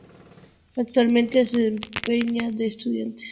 Actualmente se desempeña en Estudiantes.